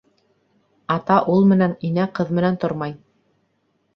Ата ул менән, инә ҡыҙ менән тормай.